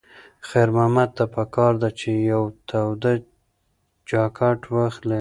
خیر محمد ته پکار ده چې یوه توده جاکټ واخلي.